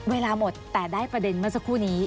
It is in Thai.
เวลาหมดแต่ได้ประเด็นเมื่อสักครู่นี้